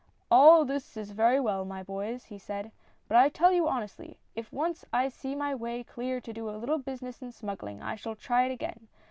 " All this is very well, my boys," he said, " but I tell you honestly if once I see my way clear to do a little business in smuggling, I shall try it again